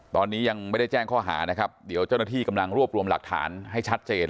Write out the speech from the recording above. ตอนนี้ยังไม่ได้แจ้งข้อหานะครับเดี๋ยวเจ้าหน้าที่กำลังรวบรวมหลักฐานให้ชัดเจน